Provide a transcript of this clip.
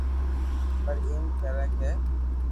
پر ايم ڪو ڪري